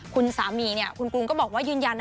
คุณสามีเนี่ยคุณกรุงก็บอกว่ายืนยันนะ